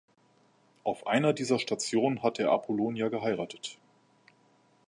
Auf einer dieser Stationen hatte er Apollonia geheiratet.